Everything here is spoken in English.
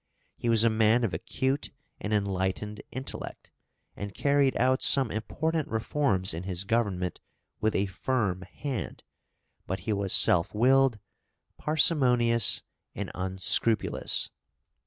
He was a man of acute and enlightened intellect, and carried out some important reforms in his government {ARCHBISHOP HIERONYMUS.} (343) with a firm hand; but he was self willed, parsimonious, and unscrupulous.